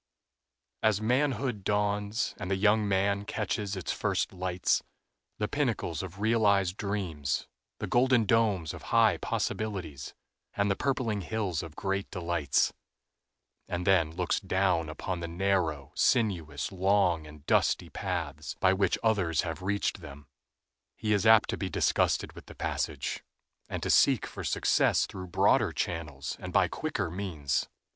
As manhood dawns and the young man catches its first lights, the pinnacles of realized dreams, the golden domes of high possibilities, and the purpling hills of great delights, and then looks down upon the narrow, sinuous, long, and dusty paths by which others have reached them, he is apt to be disgusted with the passage, and to seek for success through broader channels and by quicker means.